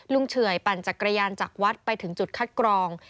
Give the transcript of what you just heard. เฉื่อยปั่นจักรยานจากวัดไปถึงจุดคัดกรอง